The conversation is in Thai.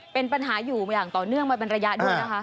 เป็นปัญหาอยู่ต่อเนื่องมาปัญหาด้วยนะคะ